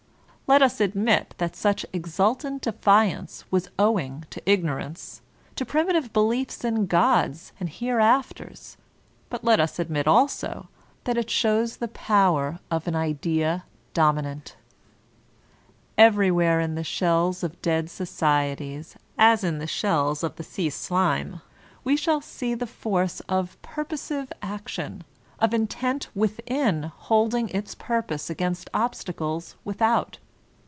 Let us admit that such exultant defiance was owing to ignorance, to primitive beliefs in gods and hereafters; but let us admit also that it shows the power of an idea dominant Everywhere in the shells of dead societies, as in the shells of the sea slime, we shall see the force of purposive action, of intent within holding its purpose against ob stacles without.